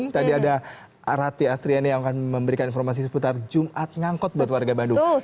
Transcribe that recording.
tadi ada arati astriani yang akan memberikan informasi seputar jumat ngangkot buat warga bandung